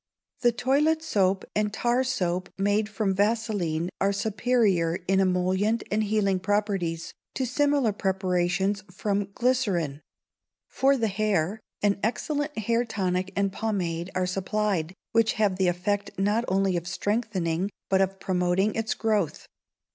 The toilet soap and tar soap made from vaseline are superior in emollient and healing properties, to similar preparations from glycerine. For the hair, an excellent hair tonic and pomade are supplied, which have the effect not only of strengthening, but of promoting its growth.